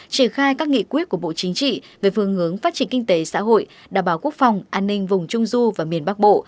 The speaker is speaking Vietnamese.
triển khai các nghị quyết của bộ chính trị về phương hướng phát triển kinh tế xã hội đảm bảo quốc phòng an ninh vùng trung du và miền bắc